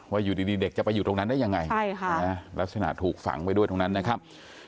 อยู่ดีเด็กจะไปอยู่ตรงนั้นได้ยังไงลักษณะถูกฝังไปด้วยตรงนั้นนะครับ